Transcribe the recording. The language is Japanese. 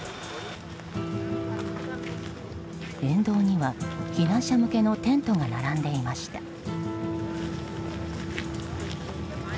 沿道には避難者向けのテントが並んでいました。